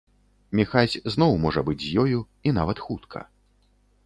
Міхась зноў можа быць з ёю, і нават хутка.